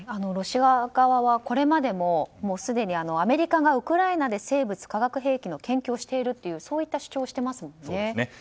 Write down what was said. ロシア側はこれまでもすでにアメリカがウクライナで生物・化学兵器の研究をしているという主張をしていますもんね。